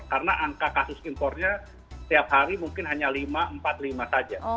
karena angka kasus impornya setiap hari mungkin hanya lima empat lima saja